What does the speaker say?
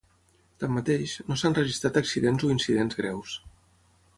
Tanmateix, no s'han registrat accidents o incidents greus.